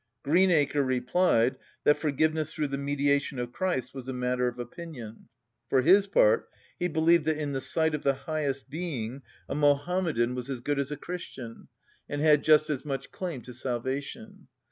Greenacre replied that forgiveness through the mediation of Christ was a matter of opinion; for his part, he believed that in the sight of the highest Being, a Mohammedan was as good as a Christian and had just as much claim to salvation.